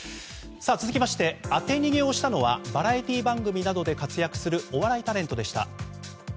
続きまして、当て逃げをしたのはバラエティー番組などで活躍するお笑いタレントでした。